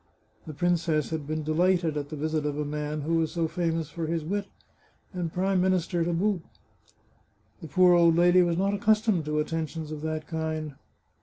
The princess had been delighted at the visit of a man who was so famous for his wit, and Prime Minister to boot. The poor old lady was not accustomed to attentions of that kind.